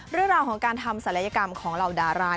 เรื่องราวของการทำศัลยกรรมของเหล่าดารา